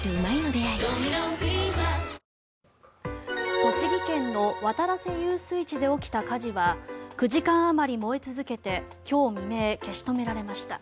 栃木県の渡良瀬遊水地で起きた火事は９時間あまり燃え続けて今日未明、消し止められました。